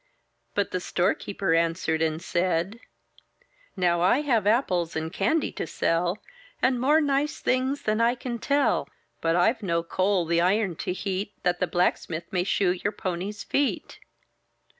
But the storekeeper answered and said: — "Now I have apples and candy to sell. And more nice things than I can tell; But I've no coal the iron to heat. That the blacksmith may shoe your pony's feet."